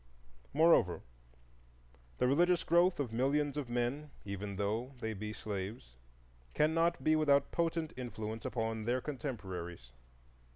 Moreover, the religious growth of millions of men, even though they be slaves, cannot be without potent influence upon their contemporaries.